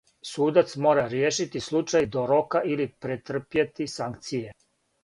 "Судац мора ријешити случај до рока или претрпјети санкције."